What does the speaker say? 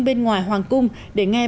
bên ngoài hoàng cung để nghe